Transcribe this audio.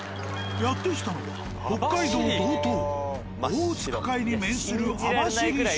やって来たのは北海道道東オホーツク海に面する網走市。